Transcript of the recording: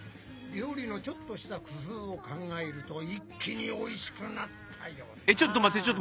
料理のちょっとした工夫を考えると一気においしくなったよな。